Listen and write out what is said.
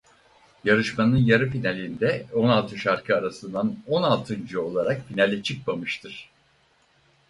Yarışmanın yarı finalinde on altı şarkı arasından on altıncı olarak finale çıkmamıştır.